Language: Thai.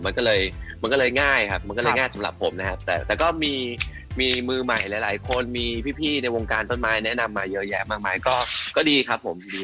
มันก็เลยมันก็เลยง่ายครับมันก็เลยง่ายสำหรับผมนะครับแต่ก็มีมือใหม่หลายคนมีพี่ในวงการต้นไม้แนะนำมาเยอะแยะมากมายก็ดีครับผม